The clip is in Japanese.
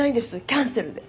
キャンセルで。